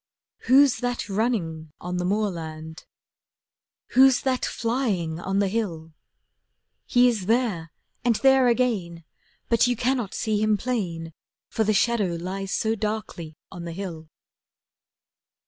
Who's that running on the moorland? Who's that flying on the hill? He is there—and there again, But you cannot see him plain, For the shadow lies so darkly on the hill.